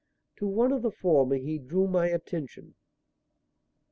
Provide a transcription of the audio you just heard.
To one of the former he drew my attention.